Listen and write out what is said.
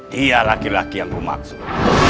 dia laki laki yang bermaksud